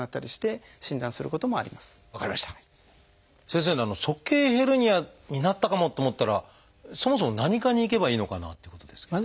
先生鼠径ヘルニアになったかもと思ったらそもそも何科に行けばいいのかなっていうことですけど。